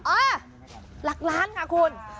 หลักล้านค่ะคุณ